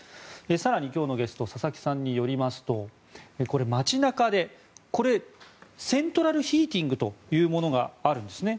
更に今日のゲスト佐々木さんによりますとこれ、街中でセントラルヒーティングというものがあるんですね。